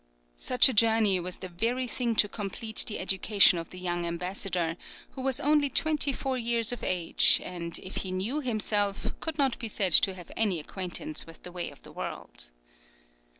Such a journey was the very thing to complete the education of the young ambassador, who was only twenty four years of age, and if he knew himself, could not be said to have any acquaintance with the ways of the world.